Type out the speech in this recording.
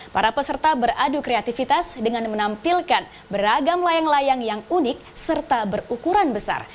para peserta beradu kreativitas dengan menampilkan beragam layang layang yang unik serta berukuran besar